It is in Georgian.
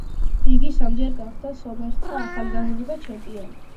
იგი სამჯერ გახდა სომეხთა ახალგაზრდა ჩემპიონი.